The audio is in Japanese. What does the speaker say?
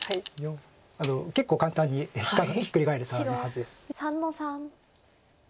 結構簡単にひっくり返る感じのはずです。